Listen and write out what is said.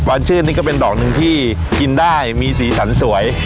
ชื่นนี่ก็เป็นดอกหนึ่งที่กินได้มีสีสันสวย